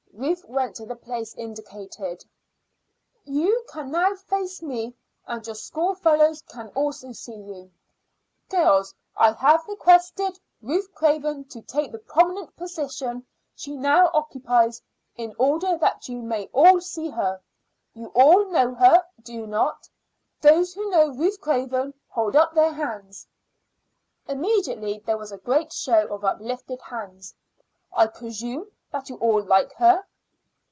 Ruth went to the place indicated. "You can now face me, and your schoolfellows can also see you. Girls, I have requested Ruth Craven to take the prominent position she now occupies in order that you may all see her. You all know her, do you not? Those who know Ruth Craven, hold up their hands." Immediately there was a great show of uplifted hands. "I presume that you all like her?"